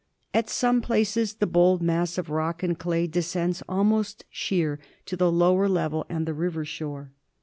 At some places the bold mass of rock and clay descends almost sheer to the lower level and the river shore.